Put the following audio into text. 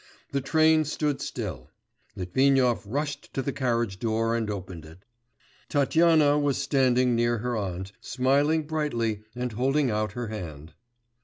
The train stood still; Litvinov rushed to the carriage door, and opened it; Tatyana was standing near her aunt, smiling brightly and holding out her hand.